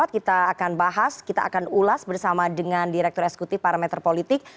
kita akan bahas kita akan ulas bersama dengan direktur eksekutif parameter politik